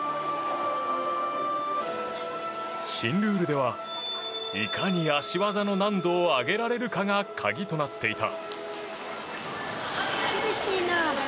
新ルールではいかに脚技の難度を上げられるかが鍵となっていた。